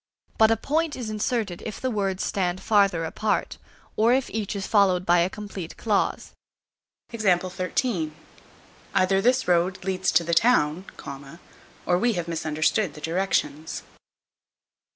But a point is inserted if the words stand farther apart, or if each is followed by a complete clause. Either this road leads to the town, or we have misunderstood the directions.